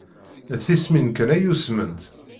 D tismin kan ay usment.